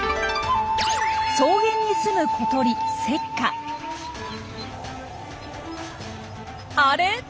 草原にすむ小鳥あれ？